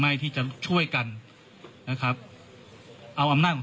ทางคุณชัยธวัดก็บอกว่าการยื่นเรื่องแก้ไขมาตรวจสองเจน